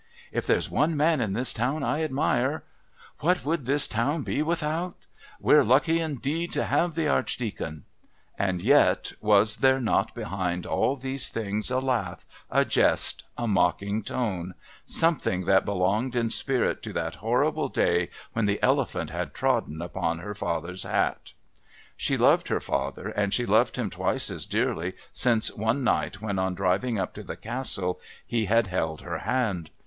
"If there's one man in this town I admire " "What would this town be without " "We're lucky, indeed, to have the Archdeacon " And yet was there not behind all these things a laugh, a jest, a mocking tone, something that belonged in spirit to that horrible day when the elephant had trodden upon her father's hat? She loved her father, and she loved him twice as dearly since one night when on driving up to the Castle he had held her hand.